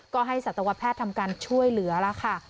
ก็ให้สัตวแพทย์ทำการช่วยเหลือแล้วค่ะ